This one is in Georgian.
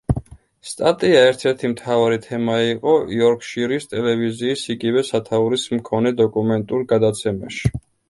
სტატია ერთ-ერთი მთავარი თემა იყო იორკშირის ტელევიზიის იგივე სათაურის მქონე დოკუმენტურ გადაცემაში.